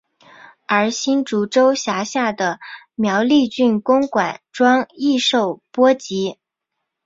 而新竹州辖下的苗栗郡公馆庄亦受波及。